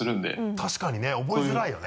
確かにね覚えづらいよね。